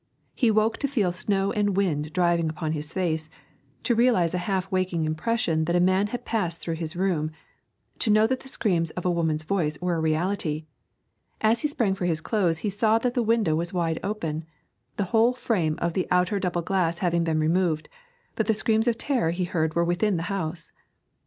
He woke to feel snow and wind driving upon his face, to realise a half waking impression that a man had passed through his room, to know that the screams of a woman's voice were a reality. As he sprang for his clothes he saw that the window was wide open, the whole frame of the outer double glass having been removed, but the screams of terror he heard were within the house.